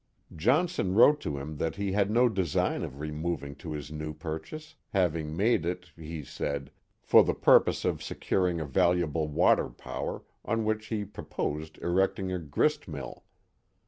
■Johnson wrote to him tliat he had no design of removing to his new purchase, having made it, he said, for the purpose of securing a valuable water power, on which lie proposed erecting a grist mill.